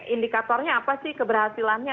indikatornya apa sih keberhasilannya